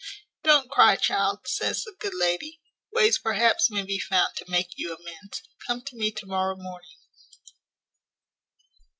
"Don't cry, child," says the good lady; "ways perhaps may be found to make you amends. Come to me to morrow morning."